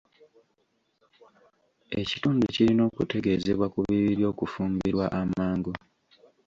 Ekitundu kirina okutegeezebwa ku bibi by'okufimbirwa amangu.